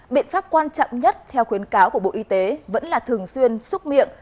biện pháp quan trọng nhất theo khuyến cáo của bộ y tế vẫn là thường xuyên xúc miệng